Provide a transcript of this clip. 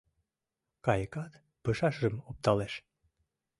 Кайыкат пыжашым опталеш.